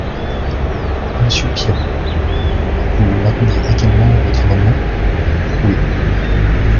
Monsieur Piron, vous maintenez également votre amendement ? Oui.